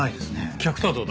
客とはどうだ？